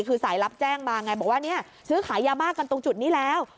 คือสายรับแจ้งมาไงบอกว่าเนี่ยซื้อขายยาบ้ากันตรงจุดนี้แล้ว